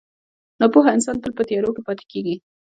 • ناپوهه انسان تل په تیارو کې پاتې کېږي.